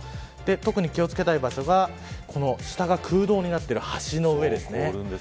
特に気を付けたい場所が下が空洞になっている橋の上です。